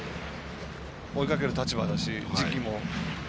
追いかける立場だし、時期も。